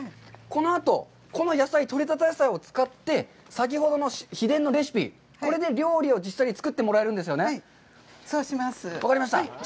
このあと、この取れたて野菜を使って、先ほどの秘伝のレシピ、これで料理を実際に作ってもらえるんですよね。